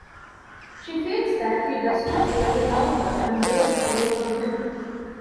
She feels that he does not really love her and breaks away from him.